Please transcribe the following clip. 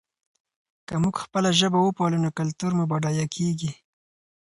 که موږ خپله ژبه وپالو نو کلتور مو بډایه کېږي.